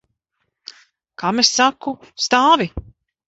Kam es saku? Stāvi!